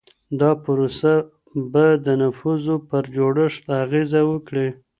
دا پروسه به د نفوسو پر جوړښت اغېزه وکړي.